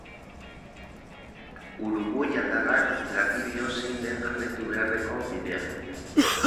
Uruguiatarrak garbi dio zein den jarraituko beharreko bidea.